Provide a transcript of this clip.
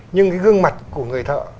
nhưng gương mặt của người thợ